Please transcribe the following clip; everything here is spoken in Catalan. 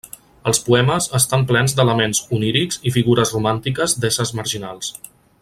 Els poemes estan plens d'elements onírics i figures romàntiques d'éssers marginals.